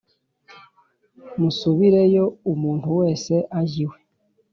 Musubireyo umuntu wese ajye iwe